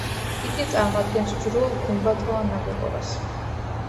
იგი წარმოადგენს ჯვრულ–გუმბათოვან ნაგებობას.